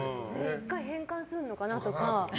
１回、変換するのかなとか。